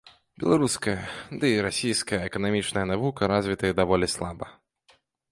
Беларуская, дый расійская эканамічная навука развітыя даволі слаба.